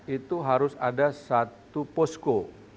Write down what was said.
itu harus ada satu posko